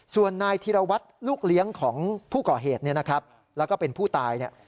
ส่วนนายธิระวัติลูกเลี้ยงของผู้ก่อเหตุและผู้ตาย